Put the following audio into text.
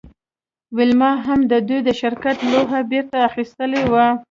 ویلما هم د دوی د شرکت لوحه بیرته اخیستې وه